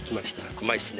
うまいっすね。